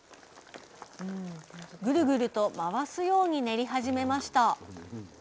ぐるぐると回すように練り始めました。